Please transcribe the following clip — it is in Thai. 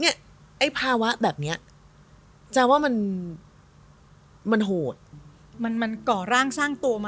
ไอ้ภาวะแบบเนี้ยจะว่ามันมันโหดมันมันก่อร่างสร้างตัวมา